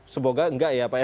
semoga enggak ya pak ya